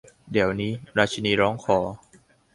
เดี๋ยวนี้ ! ราชินีร้องขอ